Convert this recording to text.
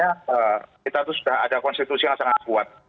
kita tuh sudah ada konstitusi yang sangat kuat